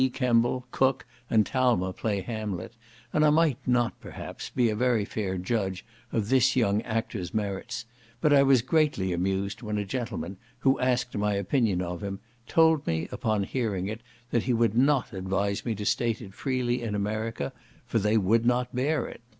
Kemble, Cook, and Talma play Hamlet, and I might not, perhaps, be a very fair judge of this young actor's merits; but I was greatly amused when a gentleman, who asked my opinion of him, told me upon hearing it, that he would not advise me to state it freely in America, "for they would not bear it."